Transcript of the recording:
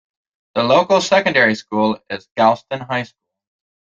The local secondary school is Galston High School.